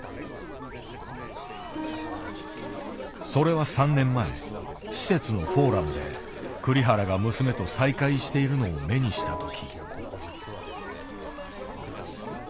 それは３年前施設のフォーラムで栗原が娘と再会しているのを目にした時。